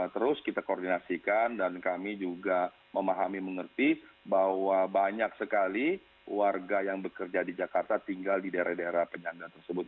terus kita koordinasikan dan kami juga memahami mengerti bahwa banyak sekali warga yang bekerja di jakarta tinggal di daerah daerah penyanda tersebut